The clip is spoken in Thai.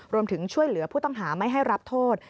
รวมถึงช่วยเหลือผู้ต้องหาไม่ให้รับโทษ